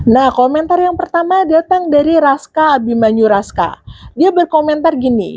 nah komentar yang pertama datang dari raska abimanyu raska dia berkomentar gini